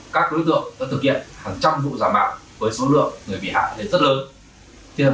các đối tượng đã thực hiện hàng trăm vụ giả mạo với số lượng người bị hại rất lớn